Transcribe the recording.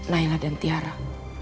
naila dan tiara